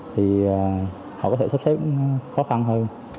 thì họ có thể xếp xếp khó khăn hơn